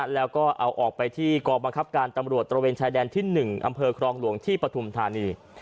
แล้วก็เอาออกไปที่กองบังคับการตำรวจตระเวนชายแดนที่๑อำเภอครองหลวงที่ปฐุมธานี